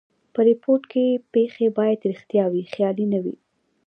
په ریپورټ کښي پېښي باید ریښتیا وي؛ خیالي نه وي.